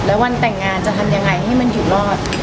แล้ววันแต่งงานจะทำยังไงให้มันอยู่รอด